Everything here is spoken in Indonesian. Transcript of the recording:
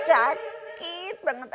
sakit banget aduh